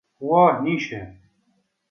نفرة ثم تعطف الحسناء